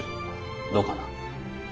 どうかなあ。